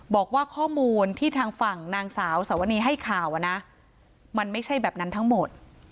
บอกว่าข้อมูลที่ทางฝั่งนางสาวสวนีให้ข่าวนะมันไม่ใช่แบบนั้นทั้งหมด